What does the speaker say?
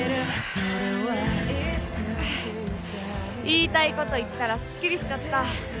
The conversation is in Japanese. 言いたい事言ったらすっきりしちゃった。